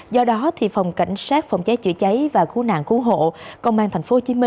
do đó phòng cảnh sát phòng cháy chữa cháy và khu nạn khu hộ